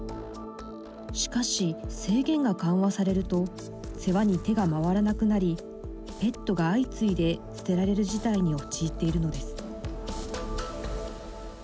しかし、制限が緩和されると世話に手が回らなくなりペットが相次いで捨てられる事態に陥っているのです。